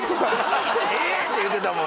「えっ？」って言うてたもん